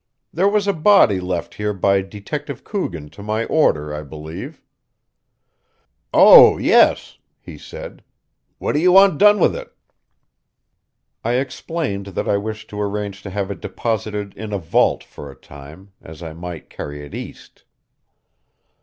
"There was a body left here by Detective Coogan to my order, I believe." "Oh, yes," he said: "What do you want done with it?" I explained that I wished to arrange to have it deposited in a vault for a time, as I might carry it East.